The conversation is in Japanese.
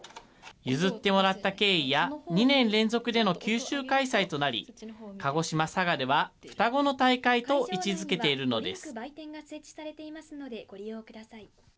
譲ってもらった経緯や、２年連続での九州開催となり、鹿児島・佐賀では、双子の大会と位置づけているのです。